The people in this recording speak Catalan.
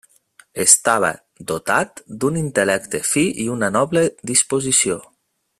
Estava dotat d'un intel·lecte fi i una noble disposició.